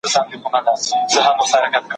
حنفي مذهب د ذمیانو حقونه مني.